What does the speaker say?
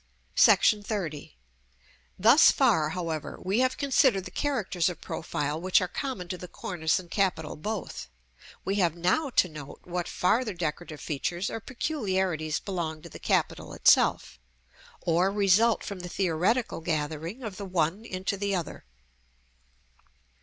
§ XXX. Thus far, however, we have considered the characters of profile which are common to the cornice and capital both. We have now to note what farther decorative features or peculiarities belong to the capital itself, or result from the theoretical gathering of the one into the other.